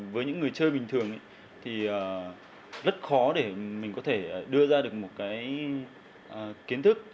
với những người chơi bình thường thì rất khó để mình có thể đưa ra được một cái kiến thức